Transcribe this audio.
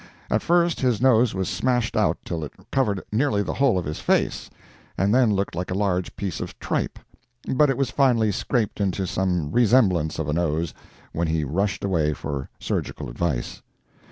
At first his nose was smashed out till it covered nearly the whole of his face and then looked like a large piece of tripe, but it was finally scraped into some resemblance of a nose, when he rushed away for surgical advice.